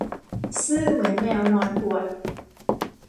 ซื่อเหมือนแมวนอนหวด